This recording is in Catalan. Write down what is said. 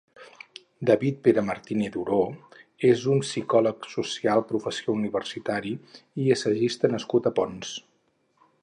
David Pere Martínez Oró és un psicòleg social, professor universitari i assagista nascut a Ponts.